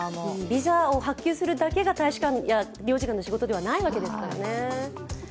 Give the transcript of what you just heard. ビザを発給するだけが大使館や領事館の仕事ではないわけですからね。